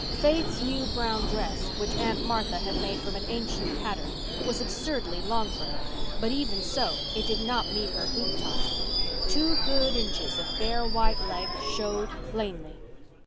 Faith's new brown dress, which Aunt Martha had made from an ancient pattern, was absurdly long for her, but even so it did not meet her boot tops. Two good inches of bare white leg showed plainly.